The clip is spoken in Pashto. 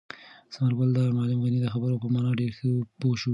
ثمر ګل د معلم غني د خبرو په مانا ډېر ښه پوه شو.